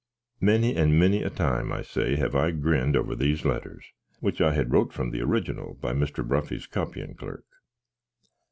Many and many a time, I say, have I grind over these letters, which I had wrote from the original by Mr. Bruffy's copyin clark.